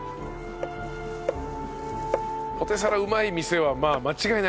ポテサラうまい店はまあ間違いないですもんね。